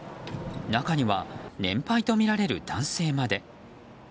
中には、年配とみられる男性まで。